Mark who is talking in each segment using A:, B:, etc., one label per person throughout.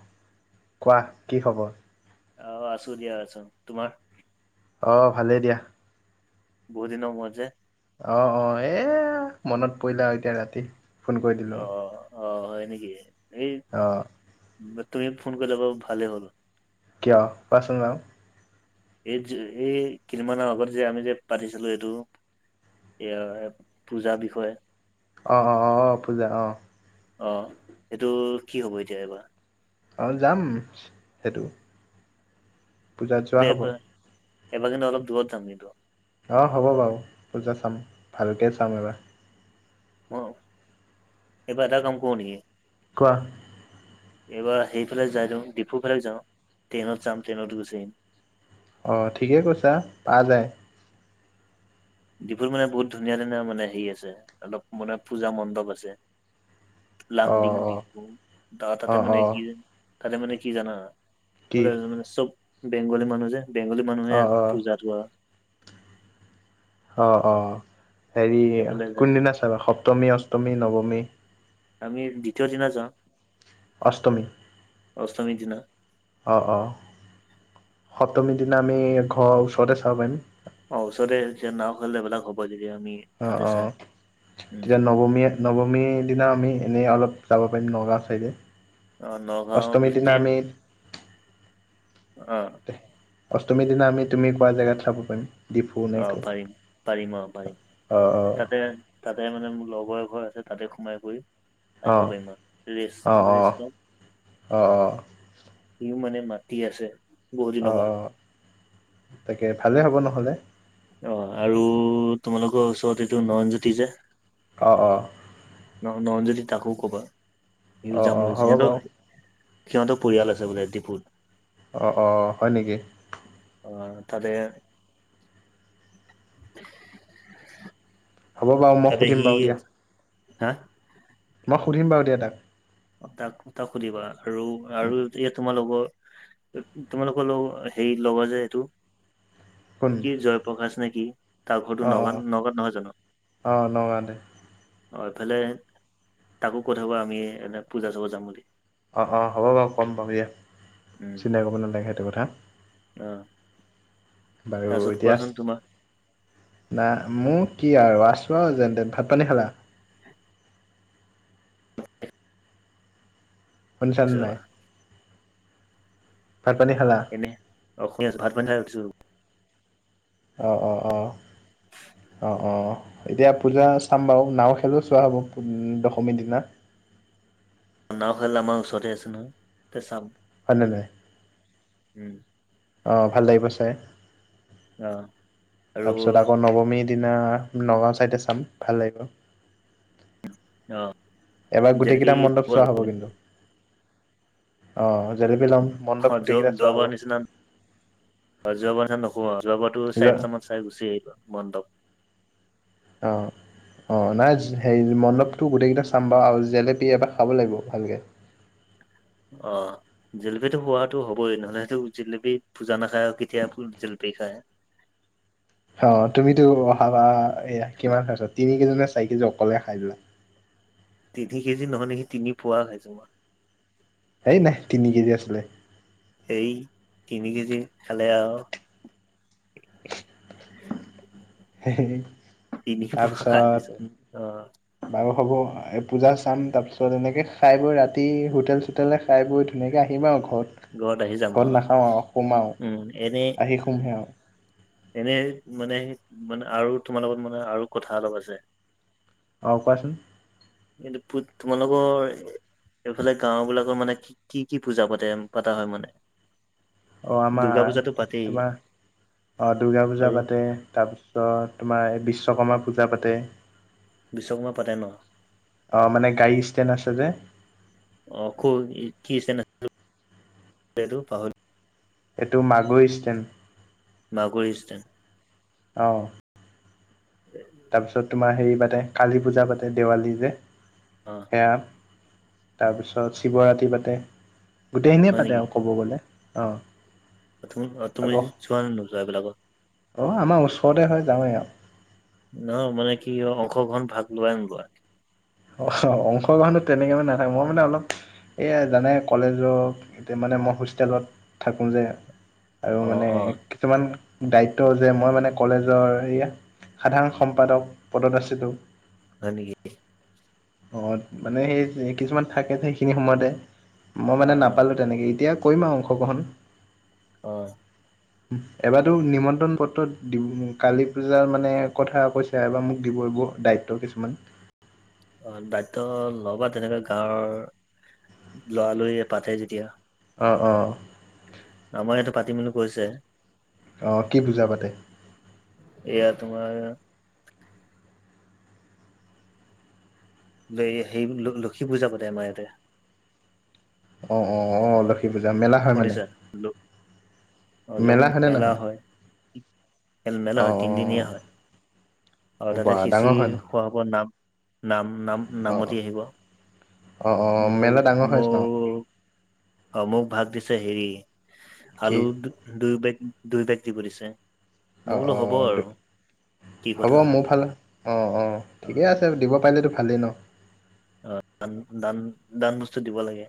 A: [inaudible] কোৱা, কি খবৰ?
B: আহ, আছোঁ দিয়া আছোঁ, তোমাৰ?
A: অঁ, ভালেই দিয়া।
B: বহু দিনৰ মোৰত যে?
A: অ', অ, এ, মনত পৰিলে আও এতিয়া ৰাতি, ফোন কৰি
B: অ
A: দিলো।
B: অ হয় নেকি? এ‌ই
A: অ।
B: তুমি ফোন কৰিলা বাও ভালে হ'ল।
A: কিয়? কোৱাচোন বাৰু।
B: এই যে, সেই কেইদিমানৰ আগত যে আমি যে পাতিছিলো, এইটো। এইয়া পূজাৰ বিষয়ে।
A: অ', অ', অ', অ', পূজা অ'।
B: অ' সেইটো কি হ'ব এতিয়া এইবাৰ?
A: অ' যাম সেইটো। পূজাত যোৱা হ'ব
B: [unintelligible] এইবাগে নহয় অলপ দূৰত যাম কিন্তু।
A: অ' হ'ব বাৰু পূজা চাম, ভালকৈ চাম এবাৰ।
B: অ' এইবাৰ এটা‌ কম কৰোঁ নেকি?
A: কোৱা।
B: এইবাৰ সেইফালে যাই দিওঁ, ডিফুৰ ফালে যাওঁ, ট্ৰেইনত যাম, ট্ৰেইনত গুচি আহিম।
A: অ' ঠিকেই কৈছা, পাৰা যায়।
B: ডিফুত মানে বহুত ধুনীয়া ধুনীয়া মানে হেৰি আছে, অলপ মানে পূজা মণ্ডপ আছে।
A: অ
B: লামডিং,
A: অ
B: ডিফু তাহাৰ
A: অ
B: তাতে মানে
A: অ
B: কি হয়, তাতে মানে কি জানা।
A: কি
B: [unintelligible] মানে চব বেংগলী মানুহ যে বেংগলী মানুহে
A: অ
B: আজি
A: অ
B: পূজা ধোৱা।
A: অ', অ', হেৰি
B: এইফালে যায়
A: কোনদিনা চাবা সপ্তমী, অষ্টমী, নৱমী?
B: আমি দ্বিতীয় দিনা যাওঁ।
A: অষ্টমী।
B: অষ্টমীৰ দিনা।
A: অ', অ', সপ্তমীৰ দিনা আমি ঘৰৰ ওচৰতে চাব পাৰিম।
B: অ' ওচৰতে যেতিয়া নাওঁ [unintelligible] এইবিলাক হ'ব যদি আমি
A: অ',
B: তাতে চাই
A: অ',
B: উম
A: তেতিয়া নৱমীয়ে নৱমীৰ দিনা আমি এনেই অলপ যাব পাৰিম নগাঁও চাইডে।
B: অ' নগাঁও
A: অষ্টমীৰ দিনা
B: ফিফটিন,
A: আমি
B: অ'।
A: অষ্টমীৰ দিনা আমি তুমি কোৱা জেগাত চাব পাৰিম। ডিফু নে ক
B: অ' পাৰিম, পাৰিম অ' পাৰিম,
A: অ',
B: তাতে তাতে মানে মোৰ লগৰ এঘৰ আছে তাতে সোমাই কৰি
A: অ', অ',
B: আহিব পাৰিম আৰু,
A: অ',
B: ৰেষ্ট,
A: অ',
B: ৰেষ্ট ল'ম।
A: অ', অ',
B: সিওঁ মানে মাতি আছে। বহুত দিনৰ
A: অ',
B: পৰা
A: অ', তাকে ভালেই হ'ব নহ'লে।
B: অ' আৰু তোমালোকৰ ওচৰত এইটো নয়ন জ্যোতি যে।
A: অ', অ'।
B: ন-নয়ন জ্যোতি তাকো ক'বা, সিওঁ
A: অ',
B: যাম বুলি
A: অ',
B: কৈছে,
A: হ'ব
B: সিহঁতৰ
A: বাৰু
B: সিহঁতৰ পৰিয়াল আছে বোলে ডিফুত।
A: অ', অ', হয় নেকি।
B: অ' তাতে।
A: হ'ব বাৰু মই
B: তাতে
A: সুধিম
B: সি,
A: বাৰু দিয়া
B: হা?
A: মই সুধিম বাৰু দিয়া তাক।
B: তাক তাক সুধিবা আৰু আৰু এতিয়া তোমাৰ লগৰ তোমালোকৰ লগ হেৰি লগৰ যে এইটো,
A: কোন
B: কি জয় প্ৰকাশ নে কি, তাৰ ঘৰটো
A: অ', অ',
B: নগাঁওত, নগাঁওত নহয় জানো?
A: অ', নগাঁৱতে
B: অ' এইফালে তাকো কৈ থবা আমি এনে পূজা চাব যাম বুলি।
A: অ', অ', হ'ব বাৰু ক'ম বাৰু দিয়া,
B: উম
A: চিন্তা কৰিব নালাগে সেইটো কথা।
B: অ'।
A: বাৰু
B: তাৰপিছত
A: এতিয়া
B: কোৱাচোন তোমাৰ
A: নাই মোৰ কি আৰু আছোঁ আৰু যেন তেন, ভাত পানী খালা?
B: [inaudible] [inaudible]
A: শুনিছানে নাই? ভাত পানী খালা?
B: [unintelligible] অ শুনি আছো, ভাত - পানী খাই উঠিছো।
A: অঁ অঁ অঁ, অঁ অঁ। এতিয়া পূজা চাম বাৰু, নাও খেলো চোৱা হ'ব উম দশমীৰ দিনা।
B: নাও খেল আমাৰ ওচৰতে আছে নহয় তাতে চাম।
A: ভালেনে?
B: উম।
A: অ ভাল লাগিব চাই
B: অ আৰু
A: তাৰপিছত আকৌ নৱমীত দিনা নগাঁও ছাইডে চাম, ভাল লাগিব।
B: অ।
A: এইবাৰ গোটেইকেইটা মণ্ডপ চোৱা হ'ব
B: জেলেপি
A: কিন্তু অঁ জেলেপী ল'ম। মণ্ডপ
B: অ যোৰ
A: গোটেইকেইটা চোৱা হ'ব
B: যোৱাবাৰ নিচিনা। অ যোৱাবাৰ এতিয়া নকবা, যোৱাবাৰতো চাৰি -
A: যোৱা
B: পাঁচটামানত চাই গুচি আহিলো মন্দপ।
A: অঁ। অঁ, নাইচ হেৰি মণ্ডপটো গোটেইকেইটা চাম বাৰু আৰু জেলেপি এবাৰ খাব লাগিব ভালকে।
B: অ। জেলেপীটো খোৱাটো হবই নহ'লেটো জেলেপী পূজা নাখায় আৰু কেতিয়া পু জেলেপি খায়।
A: অ, তুমিতো অহাবাৰ এয়া কিমান খাইছ তিনি কেজি নে চাৰি কেজি অকলে খাই যোৱা।
B: তিনি কেজি নহয় নেকি তিনি পুৱা খাইছো মই।
A: সেই নাই, তিনি কেজি আছিলে।
B: এই, তিনি কেজি খালে আৰু
A: [inaudible] হেহেহে
B: তিনি পোৱা খাই দিছো অ
A: তাৰপিছত বাৰু হ'ব এ পূজা চাম তাৰ পিছত এনেকে খাই বৈ ৰাতি হোটেল চু টেলে খাই বৈ ধুনীয়াকে আহিম আৰু ঘৰত,
B: আহি যাম আহ
A: ঘৰত নাখাওঁ আৰু সোমাওঁ,
B: উম
A: আহি নাহে আৰু।
B: এনেই মানে মানে আৰু তোমাৰ লগত মানে আৰু কথা অলপ আছে।
A: অ, কোৱাচোন?
B: এইটো ভূত তোমালোকৰ হে এইফালে গাওঁবিলাকৰ মানে কি কি কি পূজা পাতে, পতা হয় মানে?
A: অ আমাৰ
B: দুৰ্গা পূজাটো পাতেই।
A: তোমাৰ অ, দুৰ্গা পূজা
B: আৰু
A: পাতে তাৰপিছত তোমাৰ এ বিশ্বকৰ্মা পূজা পাতে।
B: বিশ্বকৰ্মা পাতে ন?
A: অ' মানে গাড়ী ষ্টেণ্ড আছে যে।
B: অ' ক'ৰ, কি কি ষ্টেণ্ডটো‌? এইটো পাহৰি
A: এইটো মাগু ষ্টেণ্ড।
B: মাগু ষ্টেণ্ড।
A: অ।
B: এহ
A: পিছত তোমাৰ হেৰি পাতে কালী পূজা পাতে দেৱালী যে।
B: অ।
A: এইয়া, তাৰপিছত শিৱৰাত্ৰি পাতে। গোটেইখিনিয়ে
B: হয়
A: পাতে আৰু ক'ব গ'লে। অ।
B: অ তুম অ তুমি
A: আকৌ
B: যোৱা নে নোযোৱা এইবিলাকত?
A: অ' আমাৰ ওচৰতে হয় যাওঁৱে আও।
B: নহয়, মানে কি হয় অংশগ্ৰহণ ভাগ লোৱা নোলোৱা?
A: আ অংশ গ্ৰহণতো তেনেকে মই নাথাকো, মই মানে অলপ এইয়া জানাই কলেজৰ মানে মই হোষ্টেলত থাকোঁ যে আৰু
B: অ
A: মানে
B: অ
A: কিছুমান দায়িত্ব যে, মই মানে কলেজৰ সেইয়া সাধাৰণ সম্পাদক পদত আছিলো
B: হয় নেকি?
A: অ, মানে সেই কিছুমান থাকে যে সেইখিনি সময়তে, মই
B: অ
A: মানে
B: অ
A: নাপালো তেনেকেই, এতিয়া কৰিম আও অংশ গ্ৰহণ।
B: অ।
A: এইবাৰটো নিমন্ত্ৰণ পত্ৰ দিম কালী পূজাৰ মানে কথা কৈছ ছে, এইবাৰ মোক দিব‌ই দায়িত্ব কিছুমান।
B: অ' দায়িত্ব লবা তেনেকে গাঁৱৰ ল'ৰা লৰিয়ে পাতে যেতিয়া।
A: অ, অ।
B: আমাৰ ইয়াতে পাতিম বুলি কৈছে।
A: অ' কি পূজা পাতে?
B: এইয়া তোমাৰ দেই, হেই‌ লক্ষ্মী পূজা পাতে আমাৰ ইয়াতে।
A: অ, অ, অ, লক্ষ্মীপূজা মেলা হয় মানে?
B: শুনিছা ল লং
A: হয়নে
B: মেলা
A: নহয়
B: হয়। খেল মেলা
A: অঁ
B: হয় তিনিদিনীয়া হয়। আৰু
A: অঁ
B: তাতে
A: বা ডাঙৰ হয়
B: খিচিৰি
A: নহ'লে
B: খোৱা হ'ব, নাম নাম নাম
A: অঁ অঁ
B: নামতি আহিব।
A: অঁ অঁ
B: মোক
A: মেলা ডাঙৰ হয় ন
B: মোক অ মোক ভাগ দিছে হেৰি
A: কি
B: আলু দু দুই বেগ দুই বেগ দিব দিছে। মই
A: অঁ
B: বোলো হ'ব
A: অঁ
B: আৰু কি
A: হ'ব
B: কথা।
A: মোৰ ফালে অঁ অঁ,
B: অ
A: ঠিকেই আছে দিব পাৰিলেতো ভালেই ন।
B: অ দান দান দানবস্তু দিব লাগে।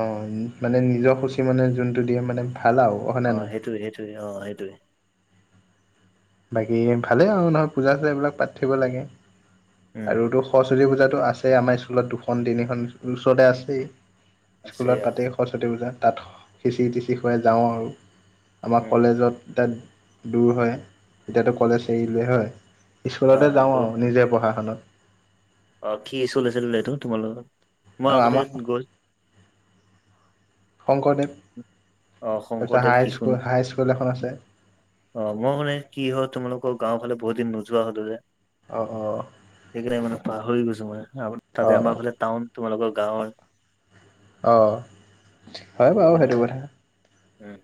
A: অঁ, মানে নিজৰ খুচী মানে যোনটো দিয় মানে ভাল আও
B: অ সেইটোৱে সেইটোৱে অ সেইটোৱে
A: বাকী ভালেই আৰু নহয় পূজা চূজা এইবিলাক পাতি থাকব লাগে।
B: উম
A: আৰুতো সৰস্বতী পূজাতো আছেই আমাৰ স্কুলত দুখন তিনিখন ওচৰতে আছেই।
B: আছে
A: স্কুলত
B: অ
A: পাতেই সৰস্বতী পূজা তাত খিচিৰি টিছিৰি খুৱাই যাওঁ আৰু। আমাৰ
B: উম
A: কলেজত এতিয়া দূৰ হয় এতিয়াতো কলেজ এৰিলেই হয়।
B: অ
A: স্কুলতে যাওঁ
B: সেইটো
A: আৰু
B: হয়
A: নিজে পঢ়া খনত।
B: অ কি স্কুল আছিলে এইটো তোমালোকৰ, মই
A: আৰু
B: আগতে
A: আমাৰ
B: গৈ
A: শংকৰদেৱ,
B: অ
A: তাৰপিছত
B: শংকৰদেৱ শিশু
A: হাইস্কুল হাইস্কুল এখন আছে।
B: অ, মই মানে কি হ'ল তোমালোকৰ গাওঁ ফালে বহুত দিন নোযোৱা হলো যে।
A: অঁ অ।
B: সেইকাৰণে মানে পাহৰি গৈছো মই, আকৌ
A: অ
B: তাতে আমাৰ ফালে টাউন তোমালোকৰ গাঁৱৰ।
A: অঁ, হয় বাৰু
B: সেইকাৰণে
A: সেইটো কথা।
B: উম।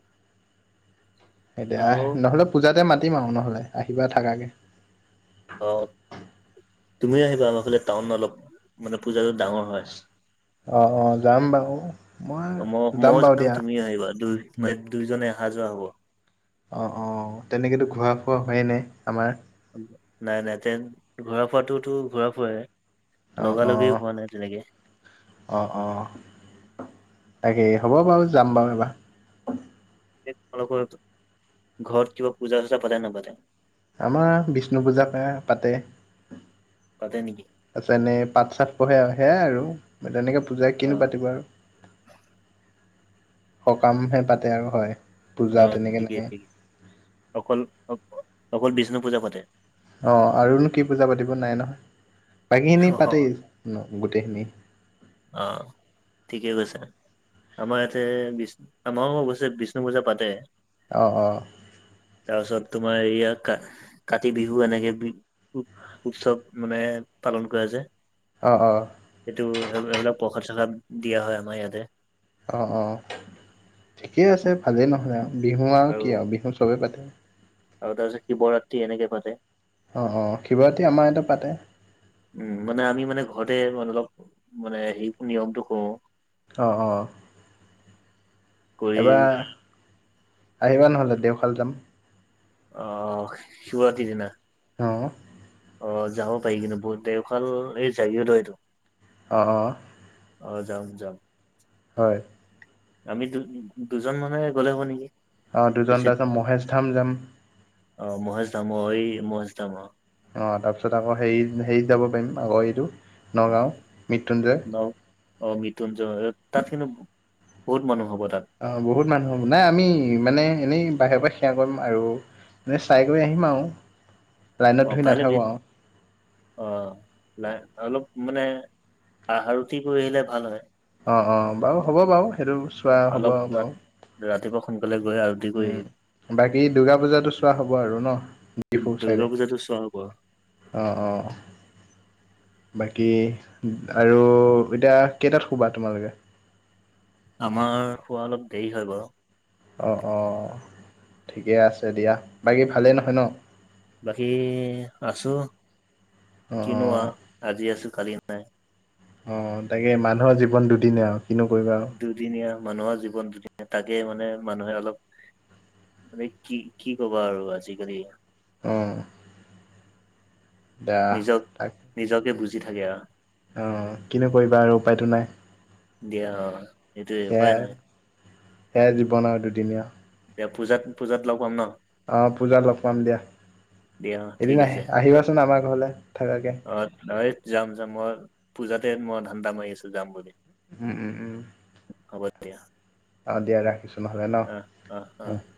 A: এতিয়া আহ
B: আৰু
A: নহলে পূজাতে মাতিম আও নহলে আহিবা থাকাকে।
B: অঁ, তুমি আহিবা আমাৰ ফালে টাউন অলপ মানে পূজাটো ডাঙৰ হয়।
A: অ অ, যাম বাৰু।
B: অ, মই মইও
A: বাৰু
B: যাম
A: দিয়া
B: তুমিও আহিবা দুই দুইজনে অহা যোৱা হব।
A: অ' অ', তেনেকৈতো ঘূৰা ফুৰা হোৱাই নাই আমাৰ।
B: নাই নাই, তেন, ঘূৰা ফুৰাটোতো ঘূৰা ফুৰাই
A: অ'
B: লগালগি
A: অ'।
B: হোৱা নাই তেনেকে
A: অ' অ', তাকে হ'ব বাৰু, যাম বাৰু এইবাৰ।
B: এই তোমালোকৰ ঘৰত কিবা পূজা-চূজা পাতে নাপাতে?
A: আমাৰ বিষ্ণু পূজা প্ৰায় পাতে।
B: পাতে নেকি?
A: তাৰপিছত এনেই পাঠ-চাঠ পঢ়ে আৰু, সেয়াই আৰু, বা তেনেকে পূজা
B: অ
A: কিনো পাতিব আৰু। সকামহে পাতে আৰু হয়,
B: অ
A: পূজা তেনেকে
B: ঠিকেই
A: নাই।
B: ঠিকেই অকল অ'-অকল বিষ্ণু পূজা পাতে?
A: অ', আৰুনো কি পূজা পাতিব, নাই নহয়, বাকীখিনি
B: অ
A: পাতেই গোটেইখিনি।
B: অ', ঠিকেই কৈছা। আমাৰ ইয়াতে বিষ্ণু-আমাৰো অৱশ্যে বিষ্ণু পূজা পাতে।
A: অ' অ'।
B: তাৰপিছত তোমাৰ এইয়া কা কাতি বিহু এনেকে বি-উ-উৎসৱ মানে পালন কৰা যায়।
A: অ' অ'।
B: সেইটো এইবিলাক-এইবিলাক পৰসাদ-চৰসাদ দিয়া হয় আমাৰ ইয়াতে।
A: অ' অ', ঠিকেই আছে, ভালেই নহ'লে আৰু, বিহু আৰু কি আৰু বিহু চবেই পাতে।
B: আৰু তাৰপিছত শিৱৰাত্ৰি এনেকে পাতে।
A: অ' অ', শিৱৰাত্ৰী আমাৰ ইয়াতো পাতে।
B: উম, মানে আমি মানে ঘৰতে মানে অলপ মানে হেৰিতো নিয়মটো কৰোঁ।
A: অ' অ'।
B: কৰি
A: এইবাৰ, আহিবা নহ'লে দেওশাল যাম।
B: অ', শিৱৰাতি দিনা?
A: অ'।
B: অ', যাব পাৰি কিন্তু বহুত, দেওশাল এই জাগীৰোডৰ সেইটো?
A: অ' অ'।
B: অ', যাম যাম।
A: হয়।
B: আমি দু-দুজন মানুহেই গ'লে হ'ব নেকি?
A: অ' দুজন,
B: বেছি
A: তাৰপিছত মহেশ ধাম যাম।
B: অ', মহেশ ধাম অ', মহেশ ধাম।
A: অ', তাৰপিছত আকৌ হেৰি-হেৰি যাব পাৰিম আকৌ, এইটো নগাঁও, মৃত্যুঞ্জয়।
B: অ', অ' মৃত্যুঞ্জয়, তাত কিন্তু, বহুত মানুহ হ'ব তাত।
A: অ', বহুত মানুহ হ'ব, নাই আমি মানে এনেই বাহিৰৰ পৰা সেৱা কৰিম আৰু। এনেই চাই কৰি আহিম আৰু। লাইনত
B: অ'
A: ধৰি
B: পাৰিলে বি
A: নাথাকোঁ আৰু
B: অ', অলপ মানে আৰতি কৰি আহিলে ভাল হয়।
A: অ' অ', বাৰু হ'ব বাৰু, সেইটো চোৱা হ'ব
B: অলপ
A: বাৰু
B: ৰাত-ৰাতিপুৱা সোনকালে গৈ আৰ
A: উম, বাকী দুৰ্গা পূজাটো চোৱা হ'ব আৰু ন
B: আহি
A: ডিফুৰ
B: দুৰ্গা
A: চাইডে?
B: পূজাটো চোৱা হ'ব
A: অ' অ'। বাকী আৰু এতিয়া কেইটাত শুবা তোমালোকে?
B: আমাৰ শুৱা অলপ দেৰি হয় বাৰু।
A: অঁ অঁ ঠিকে আছে দিয়া বাকী ভালেই নহয় ন।
B: বাকী আছো
A: অঁ
B: কিনোৱা
A: অঁ
B: আজি আছো কালি নাই।
A: অ তাকে মানুহৰ, জীৱন দুদিনে আৰু কিনো কৰিবা। আৰু
B: দুদিনীয়া মানুহৰ জীৱন দুদিনীয়া তাকে মানে মানুহে অলপ মানে কি কি কোৱা আৰু আজিকালি
A: অঁ
B: নিজক
A: তাক
B: নিজকে বুজি থাকে। আৰু
A: অ কিনো কৰিবা আৰু উপায়তটো নাই।
B: দিয়া অ সেইটোৱে উপায়
A: সেয়াই
B: নাই
A: সেয়াই জীৱন আৰু দুদিনীয়া।
B: এ পূজাত -পূজাত লগ পাম ন।
A: অঁ পূজা, লগ পাম দিয়া।
B: দিয়া ঠিক
A: এদিন আহি
B: আছে
A: আহিবাচোন আমাৰ ঘৰলৈ থাকাকে।
B: অ [unintelligible] যাম যাম মই পূজাতে মই ধানদা মাৰি আছো যাম। বুলি
A: উম উম উম
B: হ'ব দিয়া।
A: অ দিয়া ৰাখিছো নহলে ন।
B: অ' অ' অ'।
A: উম